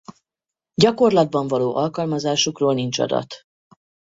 Gyakorlatban való alkalmazásukról nincs adat.